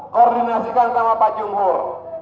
koordinasikan sama pak jumhur